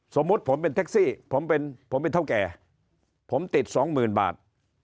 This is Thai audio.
สมมุติผมเป็นแท็กซี่ผมเป็นผมเป็นเท่าแก่ผมติดสองหมื่นบาท